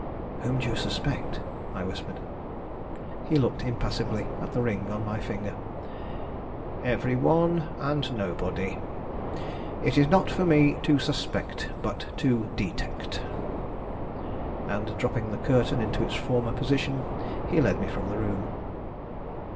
Whom do you suspect?" I whispered. He looked impassively at the ring on my finger. "Every one and nobody. It is not for me to suspect, but to detect." And dropping the curtain into its former position he led me from the room.